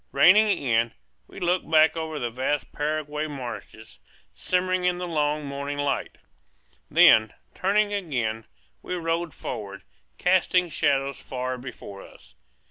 Reining in, we looked back over the vast Paraguayan marshes, shimmering in the long morning lights. Then, turning again, we rode forward, casting shadows far before us.